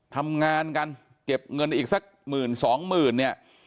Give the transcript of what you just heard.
ทำงานกันเก็บเงินได้อีกสักหมื่นสองหมื่น